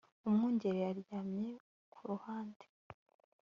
Umwungeri aryamye ku ruhande